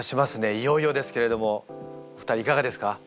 いよいよですけれども２人いかがですか？